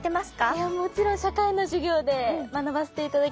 いやもちろん社会の授業で学ばせて頂きました。